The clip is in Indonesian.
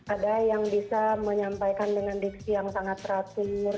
ada yang bisa menyampaikan dengan diksi yang sangat teratur